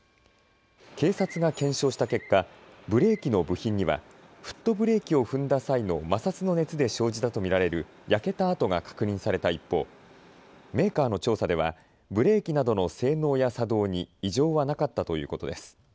警察が検証した結果、ブレーキの部品にはフットブレーキを踏んだ際の摩擦の熱で生じたと見られる焼けた跡が確認された一方、メーカーの調査ではブレーキなどの性能や作動に異常はなかったということです。